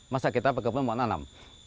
masa kita pekebun mau nanam